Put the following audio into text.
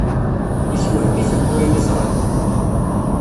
Yessewhem-itent wayen i ẓrant.